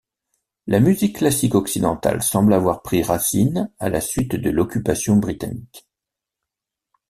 La musique classique occidentale semble avoir pris racine à la suite de l'occupation britannique.